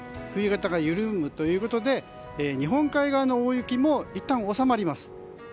冬型が緩むということで日本海側の大雪もいったん収まります。